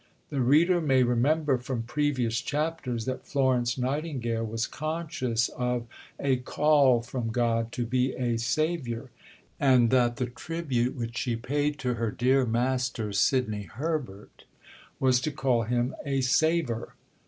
The reader may remember from previous chapters that Florence Nightingale was conscious of "a call from God to be a saviour," and that the tribute which she paid to her "dear Master," Sidney Herbert, was to call him "a saver."